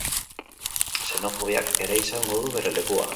Xenofobiak ere izango du bere lekua.